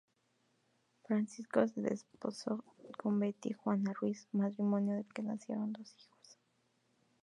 Francisco se desposó con Beatriz Juana Ruiz, matrimonio del que nacieron dos hijos.